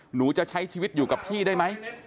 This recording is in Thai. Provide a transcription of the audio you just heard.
หนูจะใช้ชีวิตอยู่กับพี่ได้ไหม